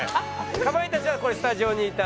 かまいたちはこれスタジオにいた？